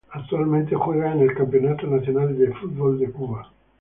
Actualmente juega en el Campeonato Nacional de Fútbol de Cuba.